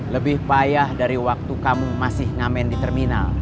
lebih payah dari waktu kamu masih ngamen di terminal